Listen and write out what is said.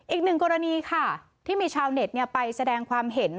อีกหนึ่งกรณีค่ะที่มีชาวเน็ตไปแสดงความเห็น